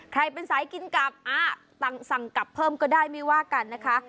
เป็นสายกินกลับสั่งกลับเพิ่มก็ได้ไม่ว่ากันนะคะ